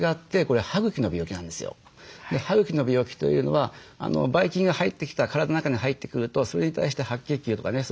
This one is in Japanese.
歯茎の病気というのはばい菌が入ってきた体の中に入ってくるとそれに対して白血球とかね